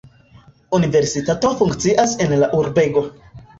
Universitato funkcias en la urbego.